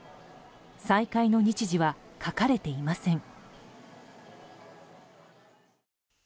再開の日時は書かれていません。